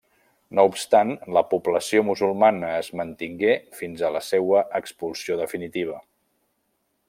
No obstant la població musulmana es mantingué fins a la seua expulsió definitiva.